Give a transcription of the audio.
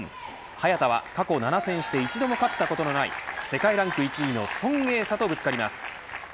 早田は、過去７戦して一度も勝ったことのない世界ランク１位の孫穎莎とぶつかります。